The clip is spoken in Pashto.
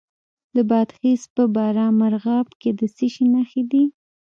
د بادغیس په بالامرغاب کې د څه شي نښې دي؟